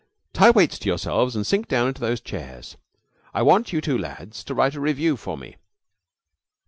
"Tie weights to yourselves and sink down into those chairs. I want you two lads to write a revue for me."